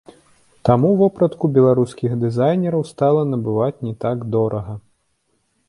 Таму вопратку беларускіх дызайнераў стала набываць не так дорага.